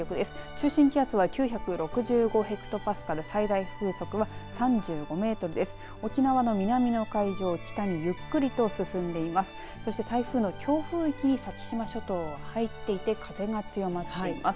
中心気圧は９６５ヘクトパスカル最大風速は３５メートルです。